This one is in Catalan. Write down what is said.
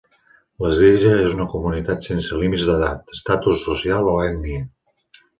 L'Església és una comunitat sense límits d'edat, estatus social o ètnia.